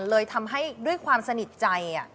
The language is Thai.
เลยทำให้ด้วยความสนิทใจ